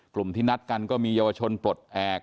กลุ่มที่นัดกันก็มีเยาวชนปลดแอบ